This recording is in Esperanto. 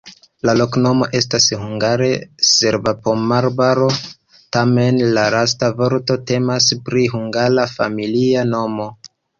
La loknomo estas hungare: serba-pomoarbaro, tamen la lasta vorto temas pri hungara familia nomo.